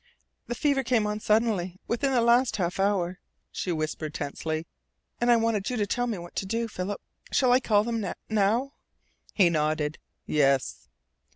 "The fever came on suddenly within the last half hour," she whispered tensely. "And I wanted you to tell me what to do, Philip. Shall I call them now?" He nodded. "Yes."